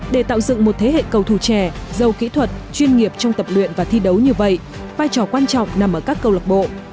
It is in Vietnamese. để tạo dựng một thế hệ cầu thù trẻ giàu kỹ thuật chuyên nghiệp trong tập luyện và thi đấu như vậy vai trò quan trọng nằm ở các cầu lập bộ